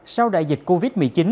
sau đại dịch covid một mươi chín